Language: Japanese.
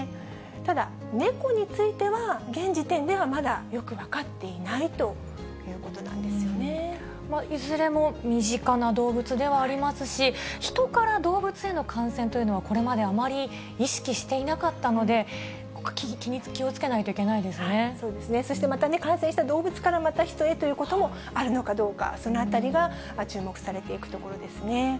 ただ、ネコについては現時点ではまだよく分かっていないということなんいずれも身近な動物ではありますし、ヒトから動物への感染というのは、これまであまり意識していなかったので、そうですね、そしてまた感染した動物からまた人へということもあるのかどうか、そのあたりが注目されていくところですね。